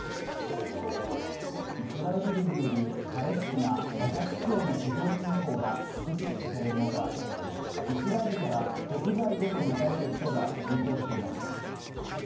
イスラエル軍によるパレスチナ・ガザ地区への地上侵攻が確実視される中イスラエルから国外へと逃れる人が急増しています。